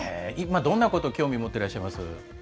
どんなこと興味持ってらっしゃいます？